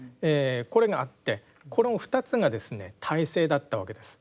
これがあってこの２つがですね体制だったわけです。